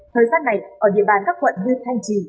thời gian này ở địa bàn các quận như thanh trì